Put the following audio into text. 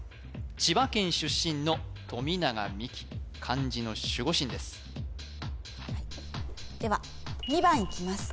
千葉県出身の富永美樹漢字の守護神ですでは２番いきます